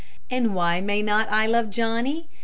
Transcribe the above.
And why may not I love Johnny?